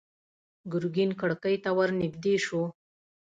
ګرګين کړکۍ ته ور نږدې شو.